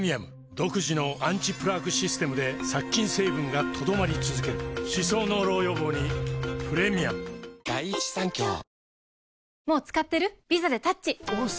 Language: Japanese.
独自のアンチプラークシステムで殺菌成分が留まり続ける歯槽膿漏予防にプレミアム雪だ